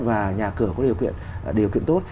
và nhà cửa có điều kiện tốt